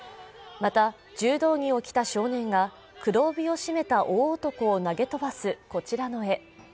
また、柔道着を着た少年が黒帯をしめた大男を投げ飛ばす、こちらの絵